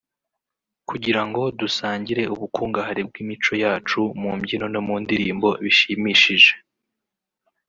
kugira ngo dusangire ubukungahare bw’imico yacu mu mbyino no mu ndirimbo bishimishije